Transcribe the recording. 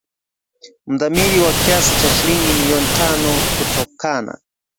mdhamini wa kiasi cha shilingi milioni tano kutokana